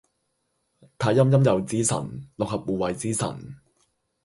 太陰陰祐之神，六合護衛之神